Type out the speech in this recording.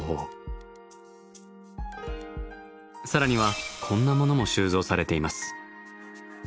更にはこんなものも収蔵されています。